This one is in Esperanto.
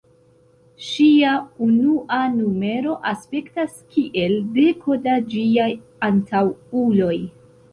Ŝia unua numero aspektas kiel deko da ĝiaj antaŭuloj.